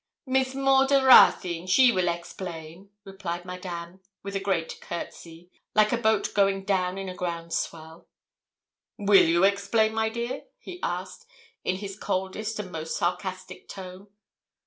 'Miss Maud a Ruthyn, she weel explain,' replied Madame, with a great courtesy, like a boat going down in a ground swell. 'Will you explain, my dear?' he asked, in his coldest and most sarcastic tone.